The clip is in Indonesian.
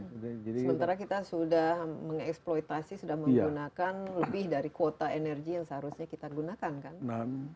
sementara kita sudah mengeksploitasi sudah menggunakan lebih dari kuota energi yang seharusnya kita gunakan kan